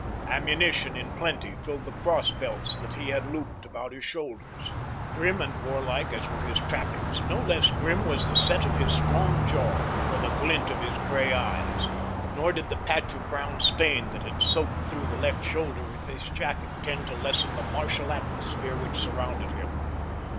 Ammunition in plenty filled the cross belts that he had looped about his shoulders. Grim and warlike as were his trappings, no less grim was the set of his strong jaw or the glint of his gray eyes, nor did the patch of brown stain that had soaked through the left shoulder of his jacket tend to lessen the martial atmosphere which surrounded him.